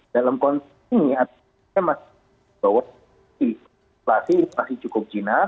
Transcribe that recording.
dalam konsumsi ini artinya masih cukup jenak